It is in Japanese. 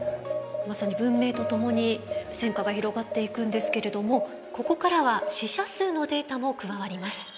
まさに文明とともに戦火が広がっていくんですけれどもここからは死者数のデータも加わります。